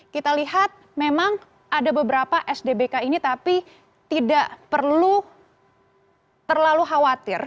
kita lihat memang ada beberapa sdbk ini tapi tidak perlu terlalu khawatir